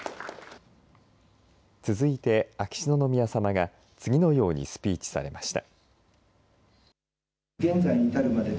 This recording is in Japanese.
続いて秋篠宮さまが次のようにスピーチされました。